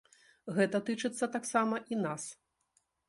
Гэта тычыцца таксама і нас.